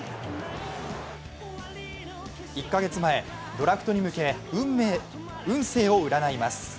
１か月前、ドラフトへ向け、運勢を占います。